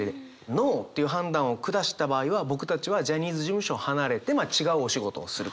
ノーという判断を下した場合は僕たちはジャニーズ事務所を離れて違うお仕事をする。